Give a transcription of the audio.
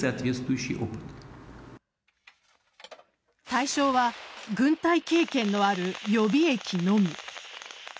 対象は軍隊経験のある予備役のみ。